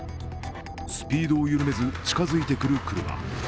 スピードを緩めず近づいてくる車。